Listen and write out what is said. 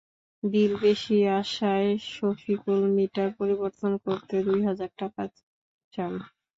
বিল বেশি আসায় শফিকুল মিটার পরিবর্তন করতে দুই হাজার টাকা চান।